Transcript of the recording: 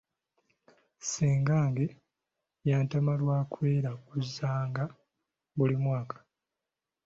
Ssengange yantama lwa kweraguzanga buli mwaka.